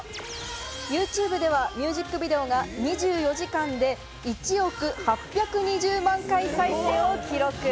ＹｏｕＴｕｂｅではミュージックビデオが２４時間で１億８２０万回再生を記録。